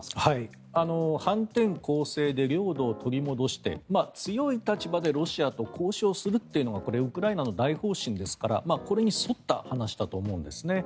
反転攻勢で領土を取り戻して、強い立場でロシアと交渉するというのがウクライナの大方針ですからこれに沿った話だと思うんですね。